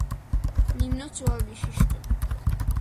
নিম্ন চোয়াল বিশিষ্ট।